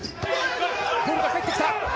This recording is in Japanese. ボールが入ってきた。